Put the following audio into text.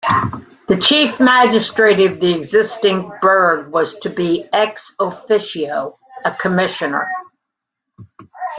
The chief magistrate of the existing burgh was to be, "ex officio", a commissioner.